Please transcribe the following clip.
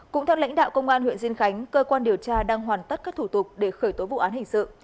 cũng theo lãnh đạo công an huyện diên khánh cơ quan điều tra đang hoàn tất các thủ tục để khởi tố vụ án hình sự